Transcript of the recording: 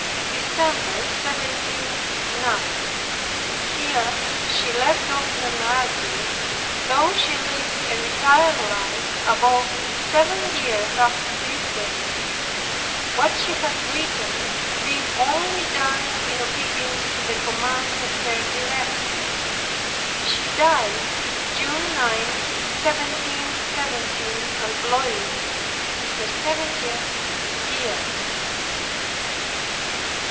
DECEMBER, 1709. Here she left off her narrative, though she lived a retired life above seven years after this date. What she had written being only done in obedience to the commands of her director. She died June 9, 1717, at Blois, in her seventieth year.